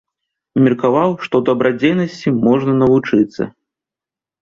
Меркаваў, што дабрадзейнасці можна навучыцца.